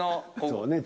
そうね